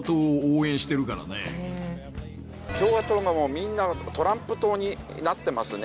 共和党がもうみんなトランプ党になってますね。